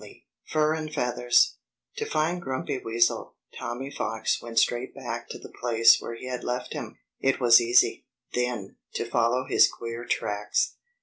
XXIV FUR AND FEATHERS To find Grumpy Weasel, Tommy Fox went straight back to the place where he had left him. It was easy, then, to follow his queer tracks.